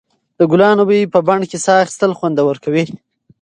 د ګلانو بوی په بڼ کې ساه اخیستل خوندور کوي.